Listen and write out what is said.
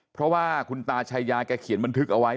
เพราะว่าคุณตาชายาแกเขียนบันทึกเอาไว้